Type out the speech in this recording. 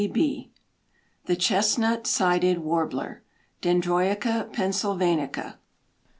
] THE CHESTNUT SIDED WARBLER. (_Dendroica pennsylvanica.